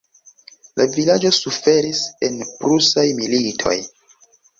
La vilaĝo suferis en Prusaj militoj.